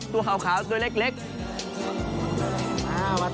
ตัวขาวตัวเล็ก